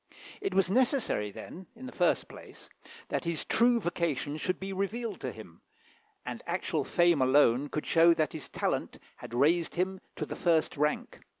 It was necessary, then, in the first place, that his true vocation should be revealed to him, and actual fame alone could show that his talent had raised him to the first rank.